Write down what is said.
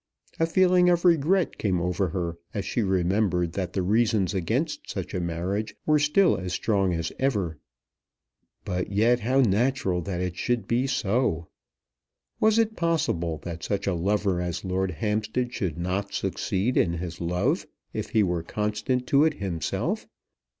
A feeling of regret came over her as she remembered that the reasons against such a marriage were still as strong as ever. But yet how natural that it should be so! Was it possible that such a lover as Lord Hampstead should not succeed in his love if he were constant to it himself?